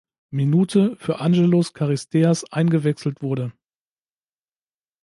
Minute für Angelos Charisteas eingewechselt wurde.